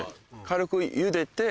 軽くゆでて。